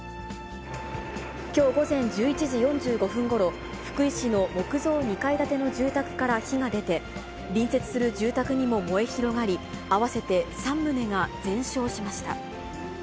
きょう午前１１時４５分ごろ、福井市の木造２階建ての住宅から火が出て、隣接する住宅にも燃え広がり、合わせて３棟が全焼しました。